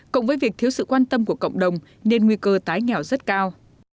cộng với việc thiếu sự quan tâm của cộng đồng nên nguy cơ tái nghèo rất cao